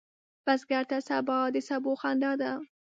بزګر ته سبا د سبو خندا ده